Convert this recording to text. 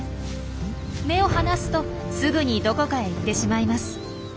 目を離すとすぐにどこかへ行ってしまいます。